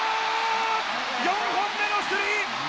４本目のスリー。